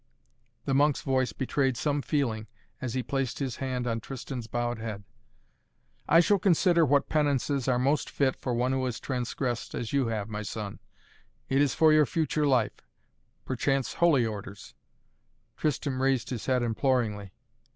The monk's voice betrayed some feeling as he placed his hand on Tristan's bowed head. "I shall consider what penances are most fit for one who has transgressed as you have, my son. It is for your future life perchance Holy Orders " Tristan raised his head imploringly.